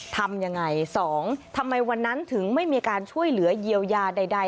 ทำยังไงสองทำไมวันนั้นถึงไม่มีการช่วยเหลือเยียวยาใด